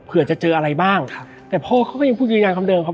เผื่อจะเจออะไรบ้างครับแต่พ่อเขาก็ยังพูดยืนยันคำเดิมครับ